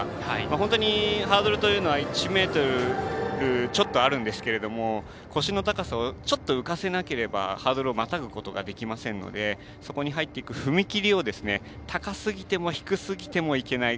本当にハードルというのは１ｍちょっとあるんですけど腰の高さをちょっと浮かせなければハードルをまたぐことができませんのでそこに入っていく踏み切りを高すぎても低すぎてもいけない。